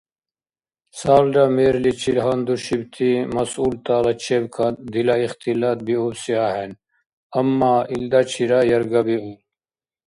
Цалра мэрличил гьандушибти масъултала чебкад дила ихтилат биубси ахӏен, амма илдачира яргабиур.